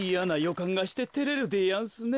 かんがしててれるでやんすねえ。